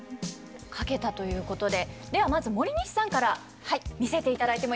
書けたということでではまず森西さんから見せていただいてもいいですか？